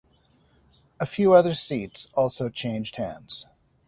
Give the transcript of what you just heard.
A few other seats also changed hands.